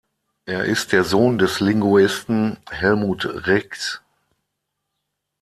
Er ist der Sohn des Linguisten Helmut Rix.